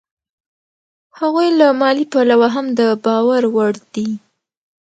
هغوی له مالي پلوه هم د باور وړ دي